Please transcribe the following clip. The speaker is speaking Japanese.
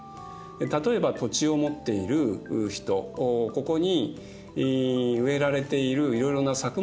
例えば土地を持っている人ここに植えられているいろいろな作物